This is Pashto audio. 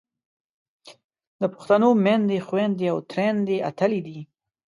د پښتنو میندې، خویندې او تریندې اتلې دي.